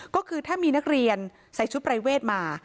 ก็คือถ้ามีนักเรียนใส่ชุดปรายเวทมา